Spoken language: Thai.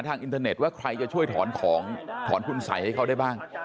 อินเทอร์เน็ตว่าใครจะช่วยถอนของถอนคุณสัยให้เขาได้บ้าง